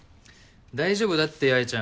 大丈夫だって八重ちゃん